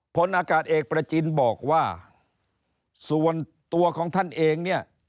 ผลอากาศเอกประจินบอกว่าส่วนตัวของท่านเองเนี่ย